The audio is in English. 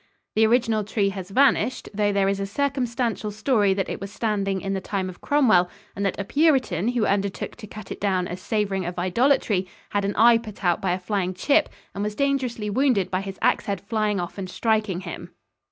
The original tree has vanished, though there is a circumstantial story that it was standing in the time of Cromwell and that a Puritan who undertook to cut it down as savoring of idolatry had an eye put out by a flying chip and was dangerously wounded by his axe head flying off and striking him.